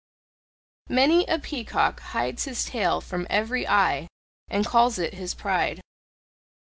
Many a peacock hides his tail from every eye and calls it his pride.